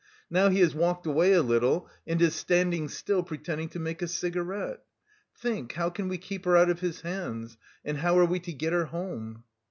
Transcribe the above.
Now he has walked away a little, and is standing still, pretending to make a cigarette.... Think how can we keep her out of his hands, and how are we to get her home?"